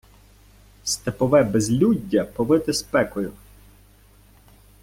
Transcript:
Степове безлюддя повите спекою.